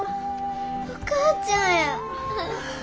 お母ちゃんや。